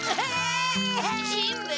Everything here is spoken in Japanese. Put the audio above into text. しんべヱ！